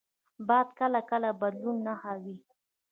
باد کله کله د بدلون نښه وي